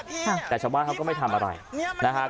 ก็แค่มีเรื่องเดียวให้มันพอแค่นี้เถอะ